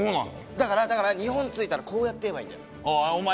だからだから日本着いたらこうやって言えばいいんだよ。